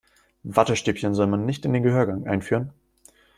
Wattestäbchen soll man nicht in den Gehörgang einführen.